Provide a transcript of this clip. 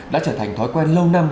đã trở thành thói quen lâu năm